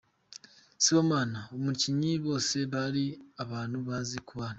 Sibomana: Abakinnyi bose bari abantu bazi kubana.